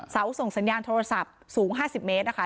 เสาส่งสัญญาณโทรศัพท์สูงห้าสิบเมตรนะคะ